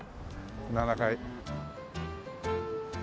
７階。